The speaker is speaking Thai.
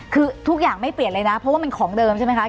คือทุกอย่างไม่เปลี่ยนเลยนะเพราะว่ามันของเดิมใช่ไหมคะ